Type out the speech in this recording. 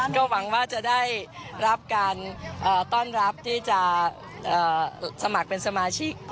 ก็หวังว่าจะได้รับการต้อนรับที่จะสมัครเป็นสมาชิก